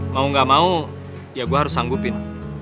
mau gak mau ya gue harus sanggupin